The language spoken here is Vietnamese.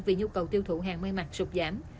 vì nhu cầu tiêu thụ hàng may mặt sụp giảm